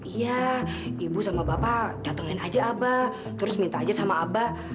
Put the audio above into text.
iya ibu sama bapak datengin aja abah terus minta aja sama abah